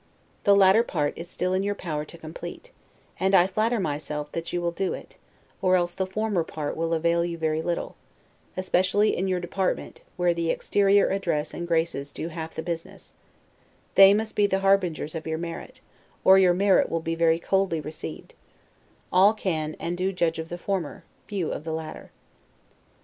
The latter part is still in your power to complete; and I flatter myself that you will do it, or else the former part will avail you very little; especially in your department, where the exterior address and graces do half the business; they must be the harbingers of your merit, or your merit will be very coldly received; all can, and do judge of the former, few of the latter.